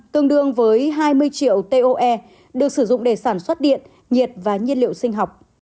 tương đương với hai mươi triệu toe được sử dụng để sản xuất điện nhiệt và nhiên liệu sinh học